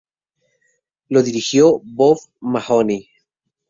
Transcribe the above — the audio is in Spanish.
Lo dirigió Bob Mahoney.